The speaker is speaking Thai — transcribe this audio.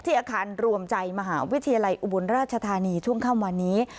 อาคารรวมใจมหาวิทยาลัยอุบลราชธานีช่วงค่ำวันนี้